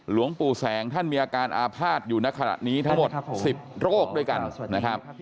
หลวงปู่แสงท่านมีอาการอาภาษณ์อยู่ในขณะนี้ทั้งหมด๑๐โรคด้วยกันนะครับ